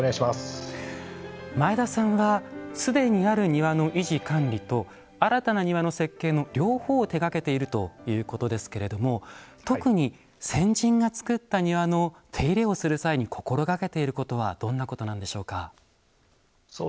前田さんはすでにある庭の維持管理と新たな庭の設計の両方を手がけているということですけど特に先人がつくった庭の手入れをする際に心がけていることはどんなことなんでしょうか。